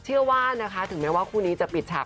เจอว่าถึงแม้ว่าคู่นี้จะปิดฉาก